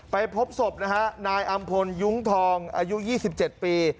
ไปพบศพนะฮะนายอำพลยุ้งทองอายุยี่สิบเจ็ดปี